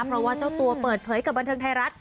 เพราะว่าเจ้าตัวเปิดเผยกับบันเทิงไทยรัฐ